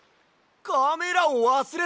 カメラをわすれた！